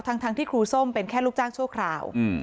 ทั้งที่ครูส้มเป็นแค่ลูกจ้างชั่วคราว